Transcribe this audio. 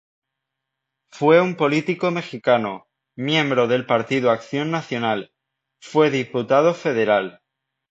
Fue un político mexicano, miembro del Partido Acción Nacional, fue Diputado Federal.